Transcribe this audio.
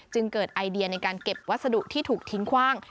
เกิดไอเดียในการเก็บวัสดุที่ถูกทิ้งคว่าง